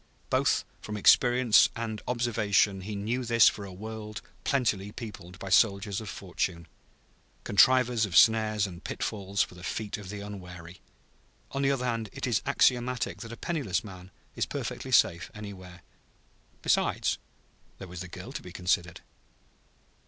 Both from experience and observation he knew this for a world plentifully peopled by soldiers of fortune, contrivers of snares and pitfalls for the feet of the unwary. On the other hand, it is axiomatic that a penniless man is perfectly safe anywhere. Besides, there was the girl to be considered.